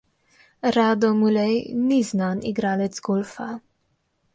Rado Mulej ni znan igralec golfa.